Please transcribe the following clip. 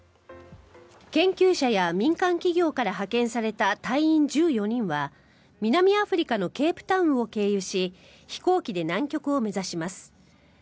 研究者や民間企業から派遣された隊員１４人は南アフリカのケープタウンを経由し飛行機で南極を目指します。